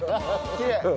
きれい。